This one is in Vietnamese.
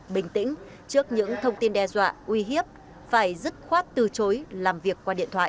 bình tĩnh trước những thông tin đe dọa uy hiếp phải dứt khoát từ chối làm việc qua điện thoại